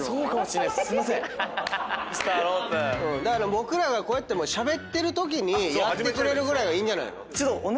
僕らがこうやってしゃべってるときにやってくれるぐらいがいいんじゃないの？